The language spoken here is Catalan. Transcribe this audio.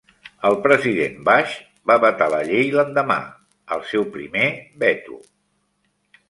El President Bush va vetar la llei l'endemà, el seu primer veto.